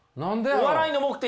お笑いの目的。